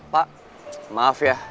pak maaf ya